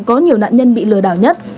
có nhiều nạn nhân bị lừa đảo nhất